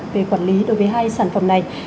về quản lý đối với hai sản phẩm này